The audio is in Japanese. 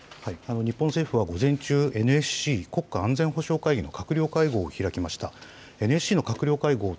日本政府は午前中、ＮＳＣ・国家安全保障会議の閣僚会合を